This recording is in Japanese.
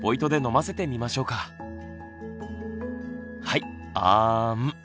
はいあん。